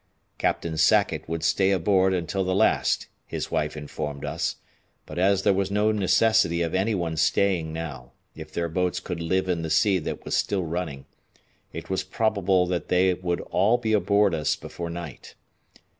Captain Sackett would stay aboard until the last, his wife informed us, but as there was no necessity of any one staying now, if their boats could live in the sea that was still running, it was probable that they would all be aboard us before night.